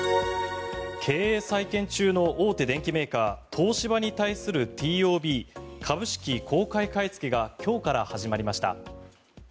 経営再建中の大手電機メーカー、東芝に対するＴＯＢ・株式公開買いつけが今日から始まりました。